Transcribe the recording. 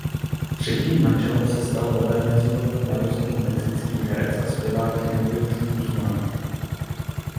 Třetím manželem se stal ve Venezuele narozený mexický herec a zpěvák Enrique Guzmán.